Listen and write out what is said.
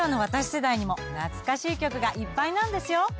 世代にも懐かしい曲がいっぱいなんですよ。